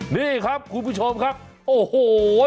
นี่ครับคุณผู้ชมครับโอ้โห